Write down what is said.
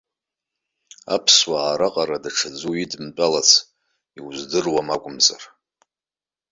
Аԥсуаа раҟара даҽаӡәы уидымтәалац, иуздыруам акәымзар.